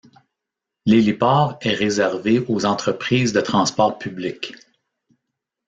L'héliport est réservé aux entreprises de transport public.